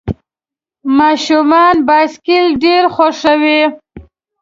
ماشومان بایسکل ډېر خوښوي.